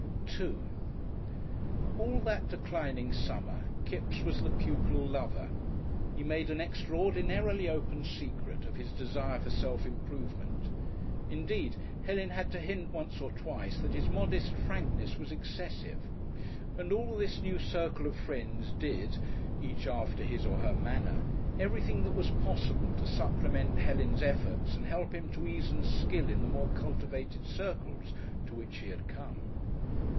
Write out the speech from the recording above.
§2 All that declining summer Kipps was the pupil lover. He made an extraordinarily open secret of his desire for self improvement; indeed Helen had to hint once or twice that his modest frankness was excessive, and all this new circle of friends did, each after his or her manner, everything that was possible to supplement Helen's efforts and help him to ease and skill in the more cultivated circles to which he had come.